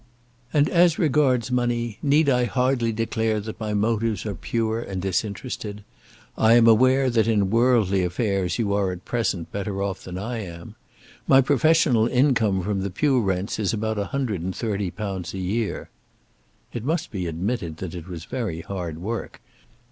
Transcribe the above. "And as regards money, need I hardly declare that my motives are pure and disinterested? I am aware that in worldly affairs you are at present better off than I am. My professional income from the pew rents is about a hundred and thirty pounds a year." It must be admitted that it was very hard work.